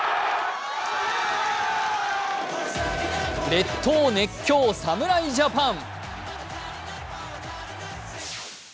列島熱狂、侍ジャパン。